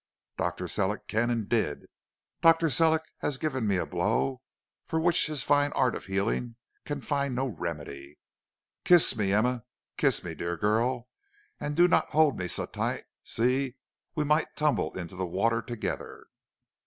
"'Dr. Sellick can and did. Dr. Sellick has given me a blow for which his fine art of healing can find no remedy. Kiss me, Emma, kiss me, dear girl, and do not hold me so tight; see, we might tumble into the water together.'